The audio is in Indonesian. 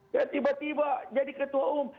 ya tiba tiba jadi ketua umum